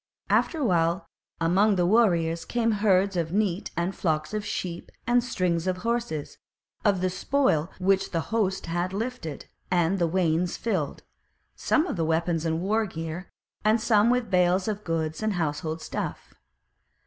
After a while among the warriors came herds of neat and flocks of sheep and strings of horses, of the spoil which the host had lifted; and then wains filled, some with weapons and war gear, and some with bales of goods and household stuff.